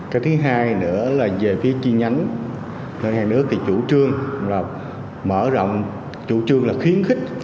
cái thứ hai nữa là về phía chi nhánh ngân hàng nước thì chủ trương là mở rộng chủ trương là khuyến khích